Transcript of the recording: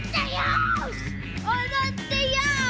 おどってよし！